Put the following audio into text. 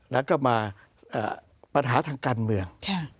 แล้วก็มาปัญหาทางการเมือง